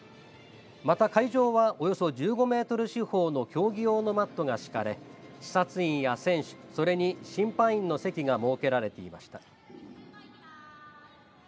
また会場はおよそ１５メートル四方の競技用のマットが敷かれ視察員や選手それに審判員の席が設けられていました。